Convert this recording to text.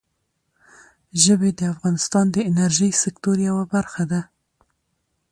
ژبې د افغانستان د انرژۍ سکتور یوه برخه ده.